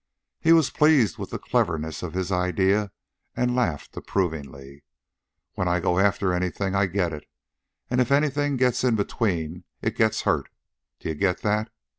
He was pleased with the cleverness of his idea and laughed approvingly. "When I go after anything I get it, an' if anything gets in between it gets hurt. D'ye get that?